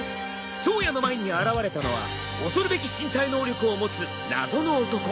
颯也の前に現れたのは恐るべき身体能力を持つ謎の男。